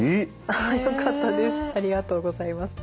あっよかったです。